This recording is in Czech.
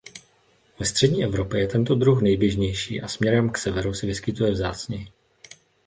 Ve střední Evropě je tento druh nejběžnější a směrem k severu se vyskytuje vzácněji.